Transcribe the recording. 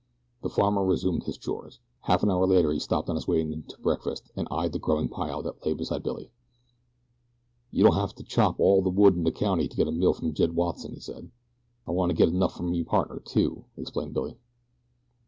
The farmer resumed his chores. Half an hour later he stopped on his way in to breakfast and eyed the growing pile that lay beside Billy. "You don't hev to chop all the wood in the county to get a meal from Jed Watson," he said. "I wanna get enough for me partner, too," explained Billy.